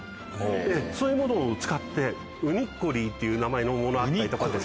そういうものを使ってウニッコリーっていう名前のものあったりとか。